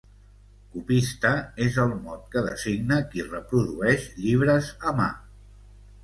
Copista és el mot que designa qui reprodueix llibres a mà.